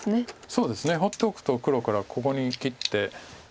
そうですね放っておくと黒からここに切って。